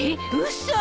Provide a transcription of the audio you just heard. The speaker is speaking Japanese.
嘘！